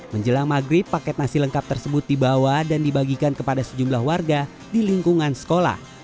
menjelang maghrib paket nasi lengkap tersebut dibawa dan dibagikan kepada sejumlah warga di lingkungan sekolah